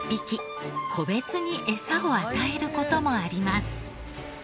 個別に餌を与える事もあります。